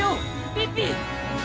ピピ！